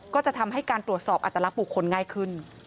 ก็จะทำให้การตรวจสอบอัตลักษณ์บุคคลง่ายขึ้น